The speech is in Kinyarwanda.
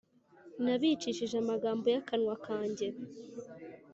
Nabicishije amagambo y akanwa kanjye .